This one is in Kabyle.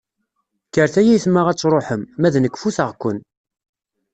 Kkert ay ayetma ad truḥem, ma d nekk futeɣ-ken.